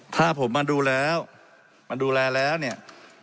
ถ้าผมมาดูแลแล้วเนี่ย